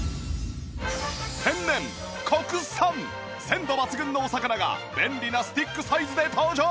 鮮度抜群のお魚が便利なスティックサイズで登場！